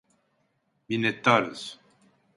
Minnettarız.